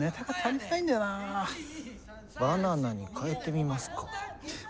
バナナに変えてみますか？